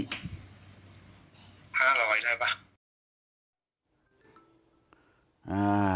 ๕๐๐ได้ป่ะ